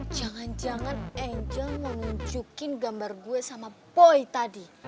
jangan jangan angel mau nunjukin gambar gue sama boy tadi